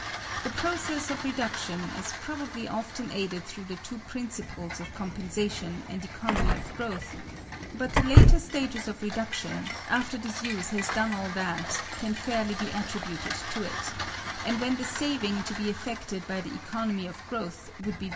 The process of reduction is probably often aided through the two principles of compensation and economy of growth; but the later stages of reduction, after disuse has done all that can fairly be attributed to it, and when the saving to be effected by the economy of growth would be very small (23.